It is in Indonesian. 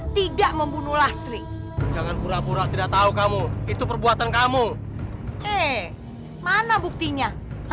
tidak membunuh lastri jangan pura pura tidak tahu kamu itu perbuatan kamu eh mana buktinya